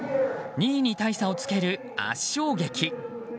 ２位に大差をつける圧勝劇。